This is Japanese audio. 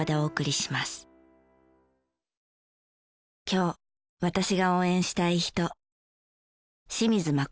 今日私が応援したい人。